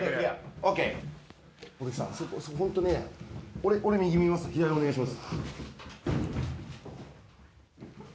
俺、右見ます、左お願いします。